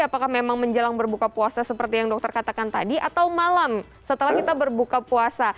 apakah memang menjelang berbuka puasa seperti yang dokter katakan tadi atau malam setelah kita berbuka puasa